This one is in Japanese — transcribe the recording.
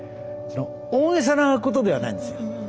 大げさなことではないんですよ。